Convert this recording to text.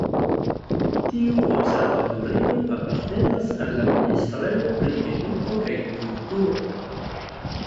Tiu observatorio apartenas al la Ministrejo pri Eduko kaj Kulturo.